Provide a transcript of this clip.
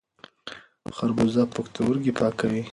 خربوزه پښتورګي پاکوي.